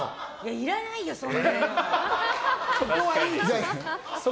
いらないよ、そんなの。